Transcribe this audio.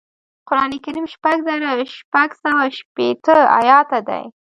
قران کریم شپږ زره شپږ سوه شپږشپېته ایاته دی